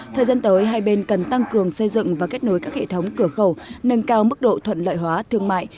thời gian tới hai bên cần tăng cường xây dựng và kết nối các hệ thống cửa khẩu nâng cao mức độ thuận lợi hóa thương mại